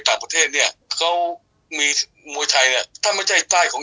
ต่างประเทศเนี้ยเขามีมวยไทยเนี้ยถ้าไม่ใช่ใต้ของ